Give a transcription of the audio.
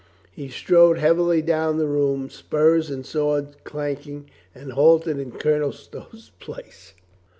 He strode heavily down the room, spurs and sword clanking, and halt ed in Colonel Stow's place.